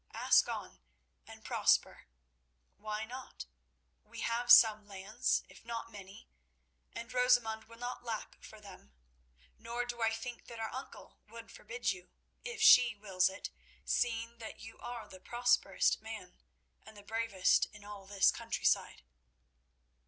Ask on, and prosper. Why not? We have some lands, if not many, and Rosamund will not lack for them. Nor do I think that our uncle would forbid you, if she wills it, seeing that you are the properest man and the bravest in all this country side."